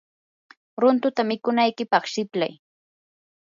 runtuta mikunaykipaq siplay.